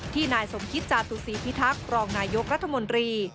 นายสมคิตจาตุศีพิทักษ์รองนายกรัฐมนตรี